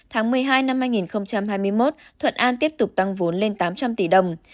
tháng một mươi hai năm hai nghìn hai mươi một thuận an tiếp tục tăng vốn lên tám trăm linh tỷ đồng